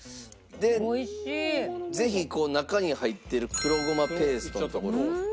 ぜひ中に入ってる黒ごまペーストのところを。